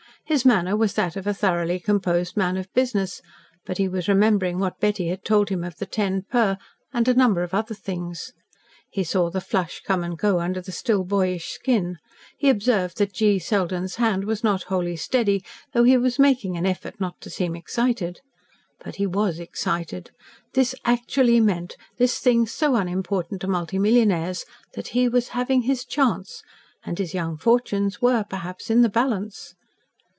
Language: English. His manner was that of a thoroughly composed man of business, but he was remembering what Betty had told him of the "ten per," and a number of other things. He saw the flush come and go under the still boyish skin, he observed that G. Selden's hand was not wholly steady, though he was making an effort not to seem excited. But he was excited. This actually meant this thing so unimportant to multi millionaires that he was having his "chance," and his young fortunes were, perhaps, in the balance.